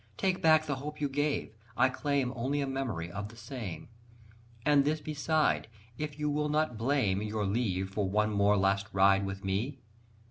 Take back the hope you gave, I claim Only a memory of the same, And this beside, if you will not blame, Your leave for one more last ride with me.